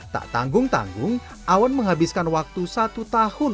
tak tanggung tanggung awan menghabiskan waktu satu tahun